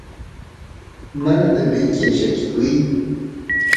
mana devenki llakikuy